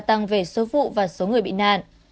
tăng về số vụ và số người bị nạn